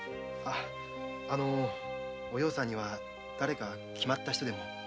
あのお葉さんにはだれか決まった人でも？